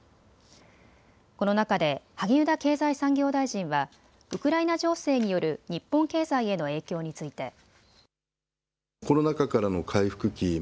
この中で萩生田経済産業大臣はウクライナ情勢による日本経済への影響について。